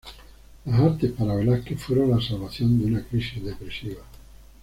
Las artes para Velázquez fueron la salvación de una crisis depresiva.